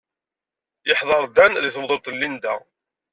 Yeḥdeṛ Dan deg temḍelt n Linda.